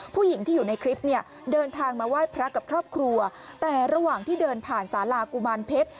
ผู้หญิงที่อยู่ในคลิปเนี่ยเดินทางมาไหว้พระกับครอบครัวแต่ระหว่างที่เดินผ่านสาลากุมารเพชร